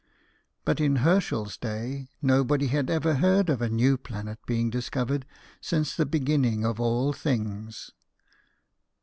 But in Herschel's day, nobody had ever heard of a new planet being discovered since the beginning of all things.